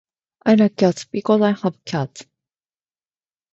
I like cats. Because I have cats.